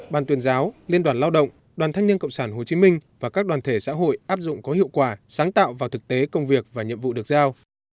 ban tuyên giáo liên đoàn lao động đoàn thanh niên cộng sản hồ chí minh và các đoàn thể xã hội áp dụng có hiệu quả sáng tạo vào thực tế công việc và nhiệm vụ được giao